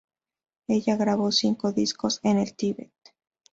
Ella grabó cinco discos en el Tíbet.